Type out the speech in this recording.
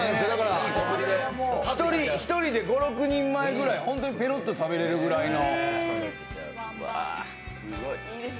１人で５６人前くらいペロッと食べれるくらいの。